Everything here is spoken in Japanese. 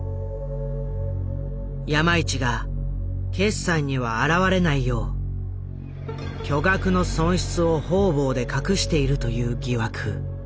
山一が決算には表れないよう巨額の損失を方々で隠しているという疑惑。